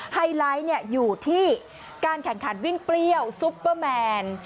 ไฮไลท์อยู่ที่การแข่งขันวิ่งเปรี้ยวซุปเปอร์แมน